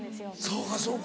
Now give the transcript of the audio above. そうかそうか。